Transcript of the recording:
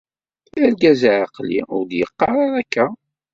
Argaz aɛeqli ur d-yeqqar ara akka.